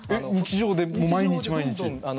日常で毎日毎日？